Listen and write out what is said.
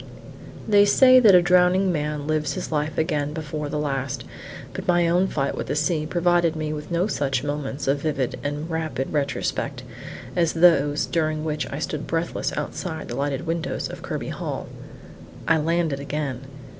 They say that a drowning man lives his life again before the last; but my own fight with the sea provided me with no such moments of vivid and rapid retrospect as those during which I stood breathless outside the lighted windows of Kirby Hall. I landed again.